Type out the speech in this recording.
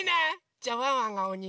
じゃあワンワンがおに！